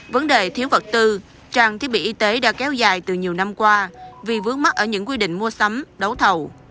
vấn đề thiếu vật tư trang thiết bị y tế đã kéo dài từ nhiều năm qua vì vướng mắt ở những quy định mua sắm đấu thầu